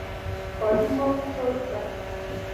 کالي مو ټول کړل.